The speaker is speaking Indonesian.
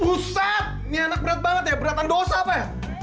pusat ini enak berat banget ya beratan dosa pak ya